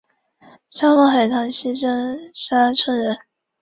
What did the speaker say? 电荷密度也可能会跟位置有关。